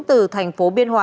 đi đến thành phố biên hòa